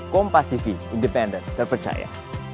kompas tv independen terpercaya